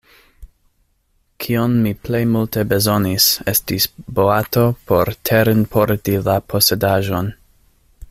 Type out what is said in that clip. Kion mi plej multe bezonis, estis boato por terenporti la posedaĵon.